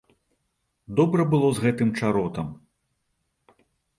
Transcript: Добра было з гэтым чаротам.